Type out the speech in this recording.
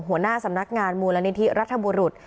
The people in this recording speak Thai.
หัวหน้าสำนักงานมูลนิธิรัฐบุรุษ